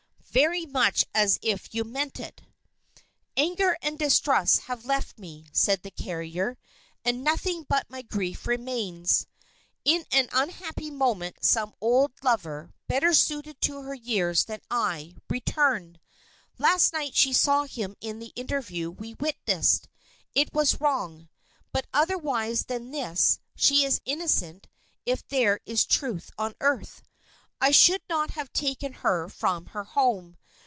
"Very much as if you meant it." "Anger and distrust have left me," said the carrier; "and nothing but my grief remains. In an unhappy moment some old lover, better suited to her years than I, returned. Last night she saw him in the interview we witnessed. It was wrong. But otherwise than this, she is innocent if there is truth on earth! I should not have taken her from her home.